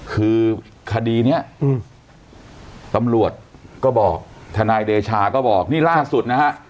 คือคดีนี้ตำรวจก็บอกทนายเดชาก็บอกนี่ล่าสุดนะฮะ